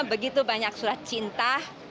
begitu banyak surat cinta